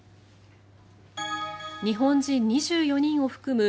日本人２４人を含む